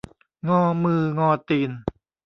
งอมืองอตีน